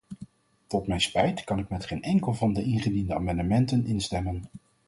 Tot mijn spijt kan ik met geen enkel van de ingediende amendementen instemmen.